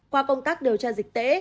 qua công tác điều tra dịch tễ